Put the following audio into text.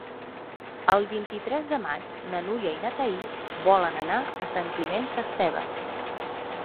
El vint-i-tres de maig na Núria i na Thaís volen anar a Sant Climent Sescebes.